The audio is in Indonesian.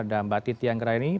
dan mbak titi anggraini